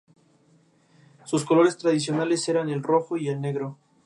Durante el siglo X se instalaron en la ciudad nuevos pobladores, principalmente francos.